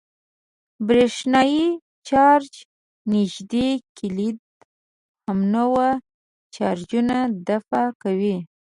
د برېښنايي چارج نژدې کېدل همنوع چارجونه دفع کوي.